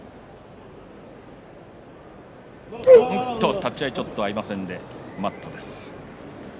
立ち合い合いませんで待ったです。